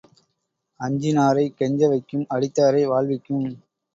அஞ்சினாரைக் கெஞ்ச வைக்கும் அடித்தாரை வாழ்விக்கும்.